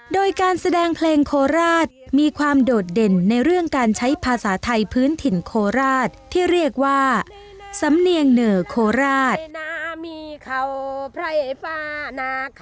โดยการแสดงเพลงโคราชมีความโดดเด่นในเรื่องการใช้ภาษาไทยพื้นถิ่นโคราชที่เรียกว่าสำเนียงเหนอโคราช